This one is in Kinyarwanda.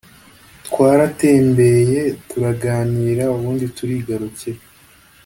twaratembeye turaganira ubundi turigarukira."